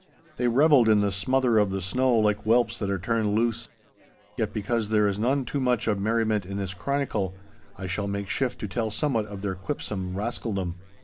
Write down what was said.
They revelled in the smother of the snow like whelps that are turned loose. Yet because there is none too much of merriment in this chronicle, I shall make shift to tell somewhat of their quipsome rascaldom.